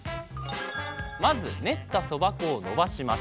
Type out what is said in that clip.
まず練ったそば粉をのばします。